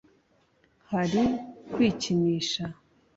Hari kwikinisha